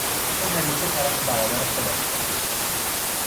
او همیشه طرف برادر خودش را میگرفت.